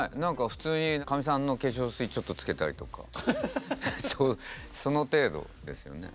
普通にかみさんの化粧水ちょっとつけたりとかその程度ですよね。